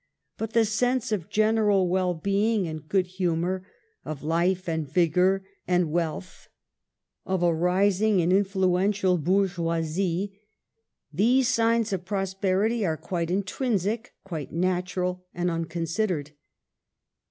But the sense of general well being and good humor, of life and vigor and wealth, of a rising and influential bourgeoisie, — these signs of prosperity are quite intrinsic, quite natural and unconsidered.